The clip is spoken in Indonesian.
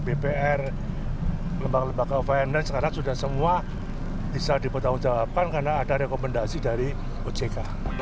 bpr lembaga lembaga finance sekarang sudah semua bisa dipertanggungjawabkan karena ada rekomendasi dari ojk